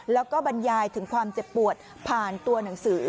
แล้วก็บรรยายถึงความเจ็บปวดผ่านตัวหนังสือ